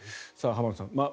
浜田さん